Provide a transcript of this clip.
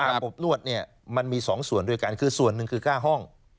บนวดเนี่ยมันมี๒ส่วนด้วยกันคือส่วนหนึ่งคือค่าห้อง